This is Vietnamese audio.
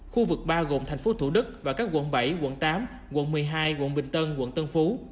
khu vực ba gồm thành phố thủ đức và các quận bảy quận tám quận một mươi hai quận bình tân quận tân phú